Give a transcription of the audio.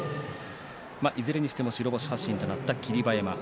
いずれにしても白星発進となった霧馬山。